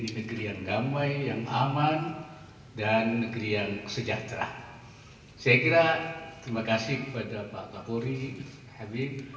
bersama bapak pakuri habib